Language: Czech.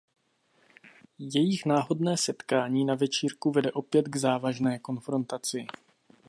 Jejich náhodné setkání na večírku vede opět k závažné konfrontaci.